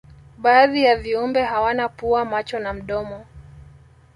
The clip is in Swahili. baadhi ya viumbe hawana pua macho na mdomo